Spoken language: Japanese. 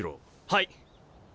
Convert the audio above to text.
はい！